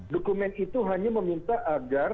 dokumen itu hanya meminta agar